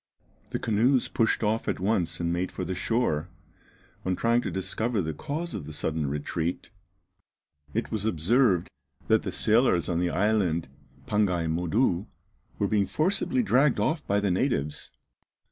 The canoes pushed off at once and made for the shore. On trying to discover the cause of this sudden retreat, it was observed that the sailors on the island Pangaï Modou were being forcibly dragged off by the natives.